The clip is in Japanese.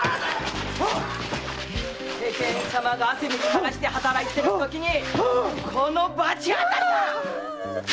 世間様が汗水たらして働いてるってときにこの罰当たりが！